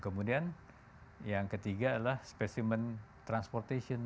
kemudian yang ketiga adalah specimen transportation